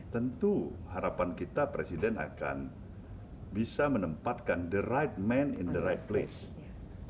tentu harapan kita presiden akan bisa menempatkan orang yang tepat di tempat yang benar